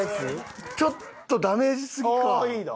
ちょっとダメージすぎか？